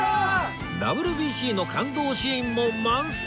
ＷＢＣ の感動シーンも満載！